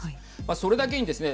それだけにですね